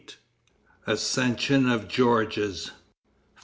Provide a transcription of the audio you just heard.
Accession of Georges.